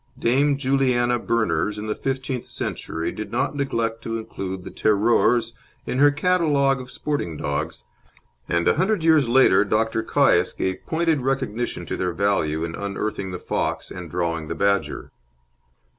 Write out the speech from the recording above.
Dame Juliana Berners in the fifteenth century did not neglect to include the "Teroures" in her catalogue of sporting dogs, and a hundred years later Dr. Caius gave pointed recognition to their value in unearthing the fox and drawing the badger.